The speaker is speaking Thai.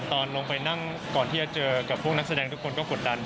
ตอนลงไปนั่งก่อนที่จะเจอกับพวกนักแสดงทุกคนก็กดดัน